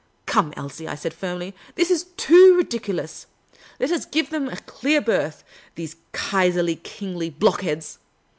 " Come, Elsie," I said, firmly, " this is too ridiculous. Let us give them a clear berth, the.se Kaiserly Kingly block heads